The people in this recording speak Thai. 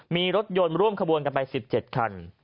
มีรถยนต์ร่วมขบวนกันไป๑๗คัน